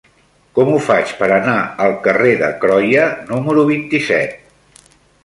Com ho faig per anar al carrer de Croia número vint-i-set?